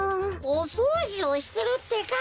おそうじをしてるってか。